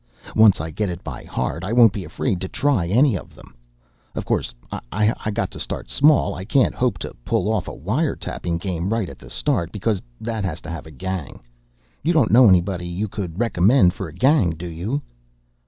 Once I get it by heart, I won't be afraid to try any of them. Of course, I got to start in small. I can't hope to pull off a wire tapping game right at the start, because that has to have a gang. You don't know anybody you could recommend for a gang, do you?"